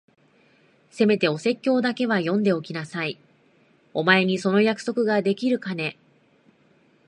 せめてお説教だけは読んでおきなさい。お前にその約束ができるかね？